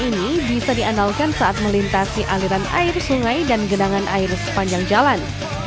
ini bisa diandalkan saat melintasi aliran air sungai dan genangan air sepanjang jalan